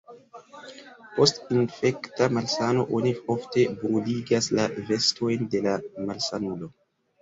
Post infekta malsano oni ofte bruligas la vestojn de la malsanulo.